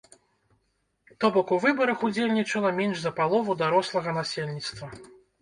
То бок у выбарах удзельнічала менш за палову дарослага насельніцтва.